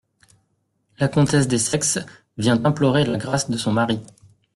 La Comtesse D'Essex vient implorer la grace de son mari.